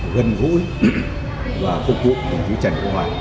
với những người từng vui và phục vụ của đồng chí trần quốc hoàn